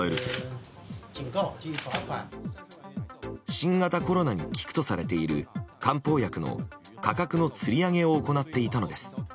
新型コロナに効くとされている漢方薬の価格のつり上げを行っていたのです。